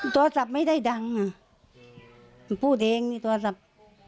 โทรศัพท์ไม่ได้ดังอ่ะมันพูดเองนี่โทรศัพท์